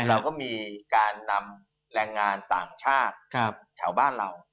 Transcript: เราก็มีการนำแรงงานต่างชาติแถวบ้านเรา